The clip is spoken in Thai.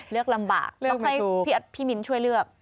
เลือกลำบากต้องค่อยพี่มิ้นช่วยเลือก